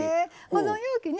保存容器ね